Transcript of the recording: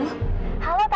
semoga kamu bisa tahu